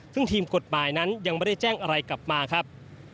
ซึ่งทีมกฎหมายนั้นยังไม่ได้แจ้งอะไรกลับมาครับ